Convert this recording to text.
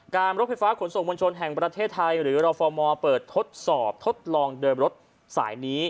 รถไฟฟ้าขนส่งมวลชนแห่งประเทศไทยหรือรฟมเปิดทดสอบทดลองเดินรถสายนี้